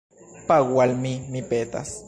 Pagu al mi, mi petas